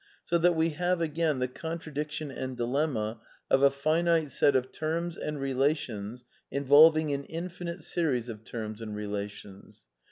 So that we have again the contradiction and dilemma of a finite set of terms and relations involving an infinite series of terms and relations.